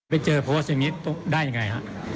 ไปเจอโพสต์อย่างนี้ได้ยังไงฮะ